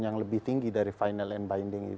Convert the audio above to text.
yang lebih tinggi dari final and binding